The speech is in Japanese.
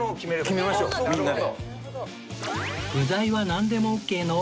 決めましょうみんなで。